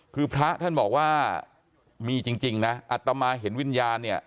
คือพระท่านบอกว่ามีจริงนะอัตมาเห็นวิญญาณเนี่ย